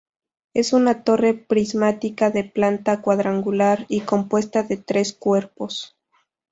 Es una torre prismática de planta cuadrangular y compuesta de tres cuerpos.